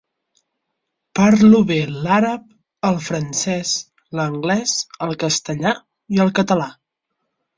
Parlo bé l'àrab, el francès, l'anglès, el castellà i el català.